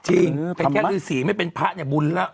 จริงถือศีลไม่เป็นพระอย่าบุญละ